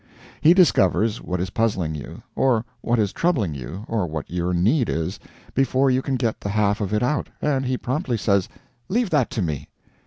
He discovers what is puzzling you, or what is troubling you, or what your need is, before you can get the half of it out, and he promptly says, "Leave that to me."